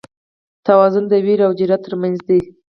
توازن د وېرې او جرئت تر منځ دی.